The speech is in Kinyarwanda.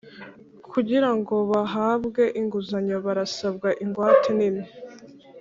Kugira ngo bahabwe inguzanyo barasabwa ingwate nini